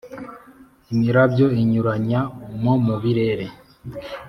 imirabyo inyuranya mo mu birere